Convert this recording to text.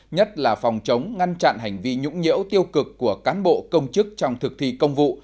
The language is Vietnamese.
nhất là phòng chống ngăn chặn hành vi nhũng nhiễu tiêu cực của cán bộ công chức trong thực thi công vụ